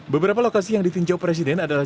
beberapa lokasi yang ditinjau presiden adalah